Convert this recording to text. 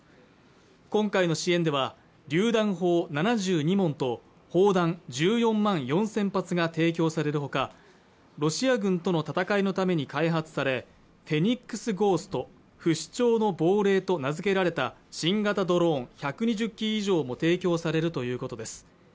今回の支援ではりゅう弾砲７２門と砲弾１４万４０００発が提供されるほかロシア軍との戦いのために開発されフェニックスゴースト＝不死鳥の亡霊と名づけられた新型ドローン１２０機以上も提供されるということです